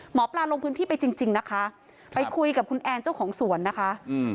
หมอปลาลงพื้นที่ไปจริงจริงนะคะไปคุยกับคุณแอนเจ้าของสวนนะคะอืม